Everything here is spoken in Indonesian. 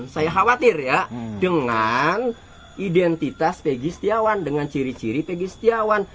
saya khawatir ya dengan identitas pegi setiawan dengan ciri ciri pegi setiawan